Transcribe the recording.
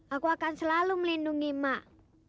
aku akan selalu melindungi mak